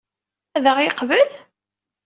Ad ɣ-yeqbel?